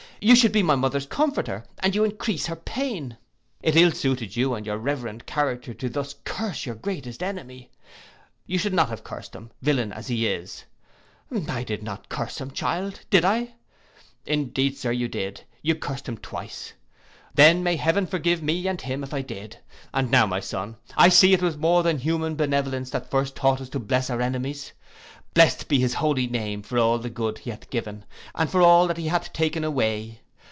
You should be my mother's comforter, and you encrease her pain. It ill suited you and your reverend character thus to curse your greatest enemy: you should not have curst him, villian as he is.'—'I did not curse him, child, did I?'—'Indeed, Sir, you did; you curst him twice.'—'Then may heaven forgive me and him if I did. And now, my son, I see it was more than human benevolence that first taught us to bless our enemies! Blest be his holy name for all the good he hath given, and for all that he hath taken away.